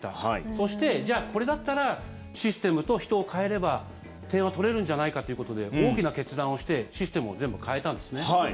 そして、じゃあこれだったらシステムと人を代えれば点は取れるんじゃないかということで大きな決断をしてシステムを全部変えたんですね。